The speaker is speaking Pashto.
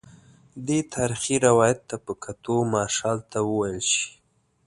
دې تاریخي روایت ته په کتو مارشال ته وویل شي.